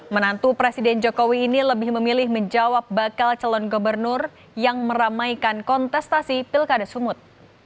menantu presiden jokowi ini lebih memilih menjawab bakal calon gubernur yang meramaikan kontestasi pilkada sumut